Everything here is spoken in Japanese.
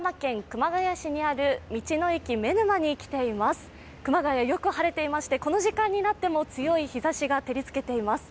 熊谷はよく晴れていまして、この時間になってもつよ日ざしが照りつけています。